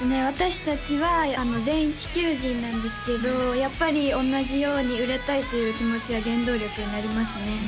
私達は全員地球人なんですけどやっぱり同じように売れたいという気持ちは原動力になりますね